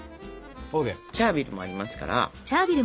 チャービルもありますから。